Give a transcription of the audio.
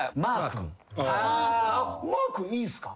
マーくんいいんすか？